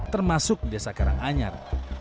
termasuk desa karanganyar